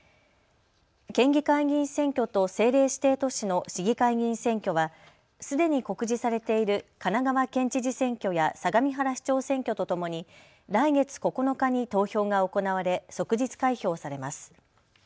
県議会議員選挙と政令指定都市の市議会議員選挙はすでに告示されている神奈川県知事選挙や相模原市長選挙とともに来月９日に投票が行われ即日開票されます。